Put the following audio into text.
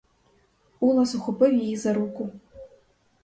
Улас ухопив її за руку.